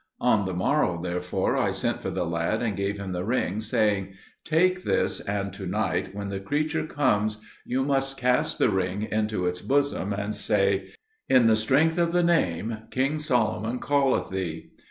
On the morrow, therefore, I sent for the lad and gave him the ring, saying, "Take this, and to night, when the creature comes, you must cast the ring into its bosom, and say, 'In the strength of the Name, King Solomon calleth thee.'